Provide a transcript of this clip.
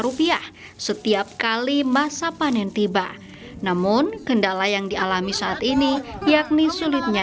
rupiah setiap kali masa panen tiba namun kendala yang dialami saat ini yakni sulitnya